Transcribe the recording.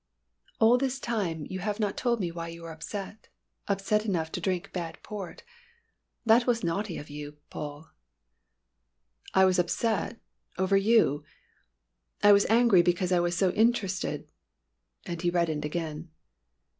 "All this time you have not told me why you were upset upset enough to drink bad port. That was naughty of you, Paul." "I was upset over you. I was angry because I was so interested " and he reddened again.